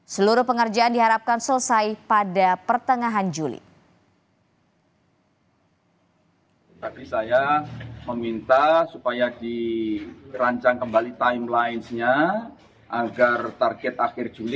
seluruh pengerjaan diharapkan selesai pada pertengahan juli